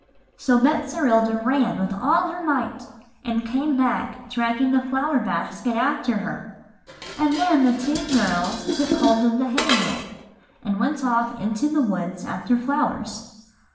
"So Betserilda ran with all her might, and came back dragging the flower basket after her; and then the two girls took hold of the handle, and went off into the woods after flowers."